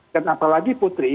dan apalagi putri